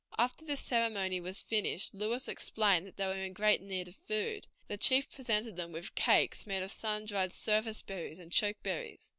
After this ceremony was finished, Lewis explained that they were in great need of food. The chief presented them with cakes made of sun dried service berries and choke cherries.